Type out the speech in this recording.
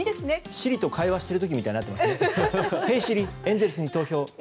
シリと会話している時みたいですね。